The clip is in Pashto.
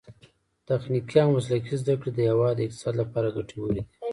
تخنیکي او مسلکي زده کړې د هیواد د اقتصاد لپاره ګټورې دي.